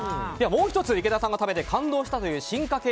もう１つ、池田さんが食べて感動したという進化形